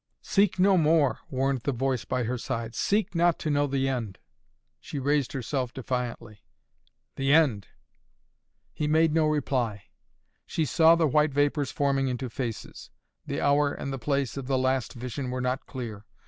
"Seek no more!" warned the voice by her side. "Seek not to know the end!" She raised herself defiantly. "The end!" He made no reply. She saw the white vapors forming into faces. The hour and the place of the last vision were not clear.